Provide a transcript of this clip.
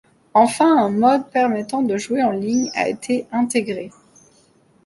Enfin un mode permettant de jouer en ligne a été intégré.